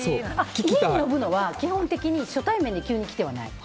家に呼ぶのは基本的に初対面で急に来てはない。